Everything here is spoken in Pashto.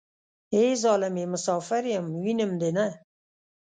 ای ظالمې مسافر يم وينم دې نه.